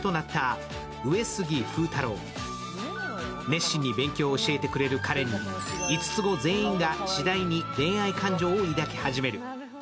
熱心に勉強を教えてくれる彼に、五つ子全員が次第に恋愛感情を抱き始める。